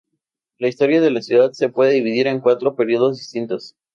La historia de la ciudad se puede dividir en cuatro periodos distintos.